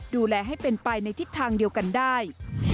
ดูแลให้เป็นไปในทิศทางเดียวกันได้